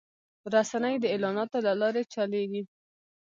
رسنۍ د اعلاناتو له لارې چلېږي